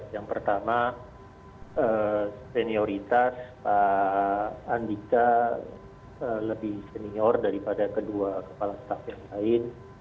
yang pertama senioritas pak andika lebih senior daripada kedua kepala staff yang lain